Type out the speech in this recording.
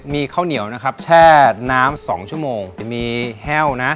มีข้าวเหนียวนะครับแช่น้ำ๒ชั่วโมงจะมีแห้วนะ